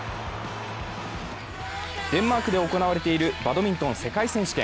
デンマークで行われているバドミントン世界選手権。